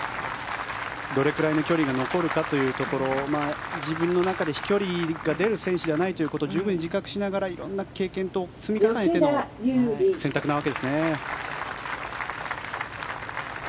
どれぐらいの距離が残るかというところ自分の中で飛距離が出る選手ではないということを十分に自覚しながら色んな経験等を積み重ねての選択なわけですね。